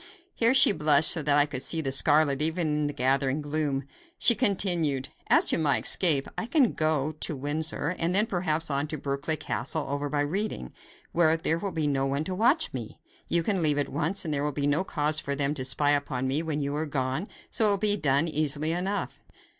Here she blushed so that I could see the scarlet even in the gathering gloom. She continued: "As to my escape, I can go to Windsor, and then perhaps on to Berkeley Castle, over by Reading, where there will be no one to watch me. You can leave at once, and there will be no cause for them to spy upon me when you are gone, so it can be done easily enough.